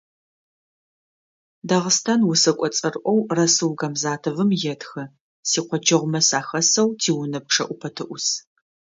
Дагъыстан усэкӏо цӏэрыӀоу Расул Гамзатовым етхы: «Сикъоджэгъумэ сахэсэу тиунэ пчъэӏупэ тыӏус».